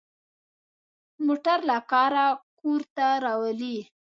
موټر له کاره کور ته راولي.